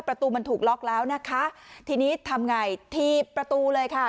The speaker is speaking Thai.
ประตูมันถูกล็อกแล้วนะคะทีนี้ทำไงถีบประตูเลยค่ะ